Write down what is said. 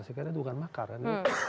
sekarang itu bukan makar kan